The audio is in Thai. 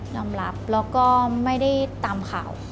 ลำลับแล้วก็ไม่ได้ตามเขา